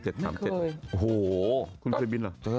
โอ้โหคุณเคยบินเหรอ